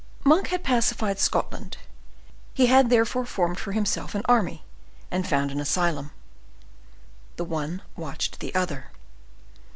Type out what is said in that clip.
Monk had pacified Scotland, he had there formed for himself an army, and found an asylum. The one watched the other.